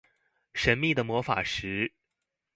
神秘的魔法石